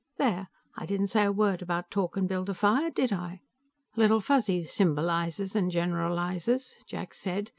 There; I didn't say a word about talk and build a fire, did I?" "Little Fuzzy symbolizes and generalizes," Jack said.